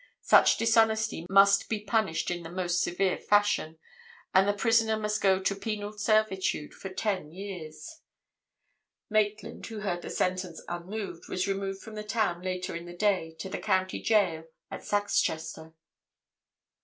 Such dishonesty must be punished in the most severe fashion, and the prisoner must go to penal servitude for ten years. "Maitland, who heard the sentence unmoved, was removed from the town later in the day to the county jail at Saxchester."